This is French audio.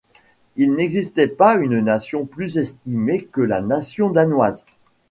Il n'existait pas une nation plus estimée que la nation danoise.